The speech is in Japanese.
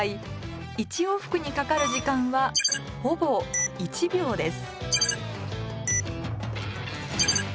１往復にかかる時間はほぼ１秒です